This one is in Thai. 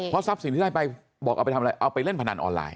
ทรัพย์สินที่ได้ไปบอกเอาไปทำอะไรเอาไปเล่นพนันออนไลน